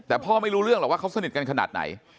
แต่พ่อไม่รู้เรื่องหรอกว่าเขาสนิทกันขนาดไหน